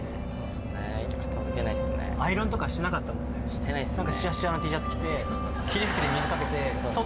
してないっすね。